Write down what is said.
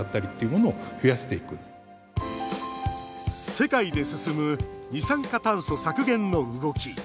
世界で進む二酸化炭素削減の動き。